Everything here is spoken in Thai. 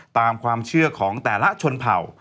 ตามความเชื่อของแต่ละชนเผ่า